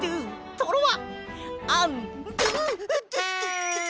トロワ。